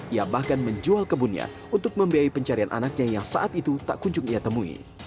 ia bahkan menjual kebunnya untuk membiayai pencarian anaknya yang saat itu tak kunjung ia temui